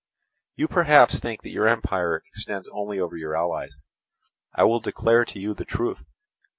You perhaps think that your empire extends only over your allies; I will declare to you the truth.